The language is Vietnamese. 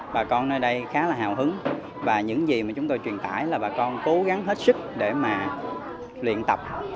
bà con nơi đây khá là hào hứng và những gì mà chúng tôi truyền tải là bà con cố gắng hết sức để mà luyện tập